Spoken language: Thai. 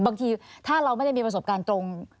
บางทีถ้าเราไม่ได้มีประสบการณ์ตรง